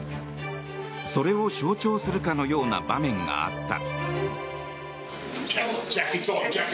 それを象徴するかのような場面があった。